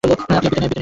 আপনি এফবিতে নেই?